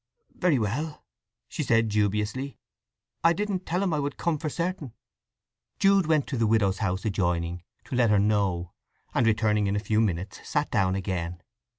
"Very well," she said dubiously. "I didn't tell him I would come for certain." Jude went to the widow's house adjoining, to let her know; and returning in a few minutes sat down again.